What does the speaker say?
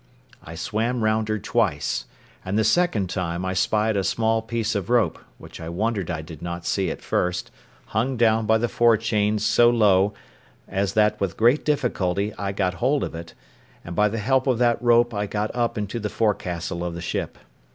I swam round her twice, and the second time I spied a small piece of rope, which I wondered I did not see at first, hung down by the fore chains so low, as that with great difficulty I got hold of it, and by the help of that rope I got up into the forecastle of the ship.